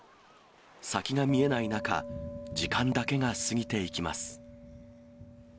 先が見えない中、時間だけが過ぎていきます。